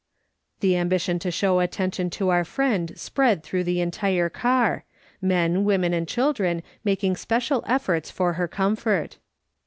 The ambition to show atten tion to our friend spread through the entire car, men, women, and children making special efforts for her comfort.